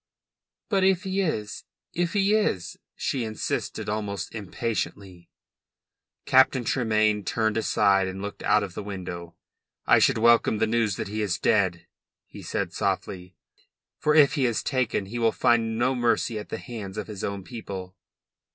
"But if he is if he is?" she insisted almost impatiently. Captain Tremayne turned aside and looked out of the window. "I should welcome the news that he is dead," he said softly. "For if he is taken he will find no mercy at the hands of his own people."